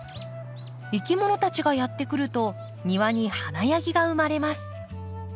いきものたちがやって来ると庭に華やぎが生まれます。